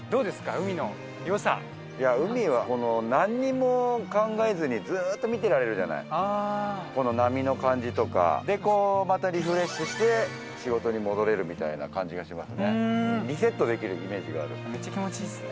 海のよさ海は何も考えずにずっと見てられるじゃないこの波の感じとかでこうまたみたいな感じがしますねリセットできるイメージがあるめっちゃ気持ちいいっすね